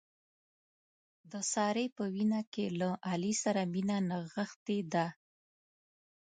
د سارې په وینه کې له علي سره مینه نغښتې ده.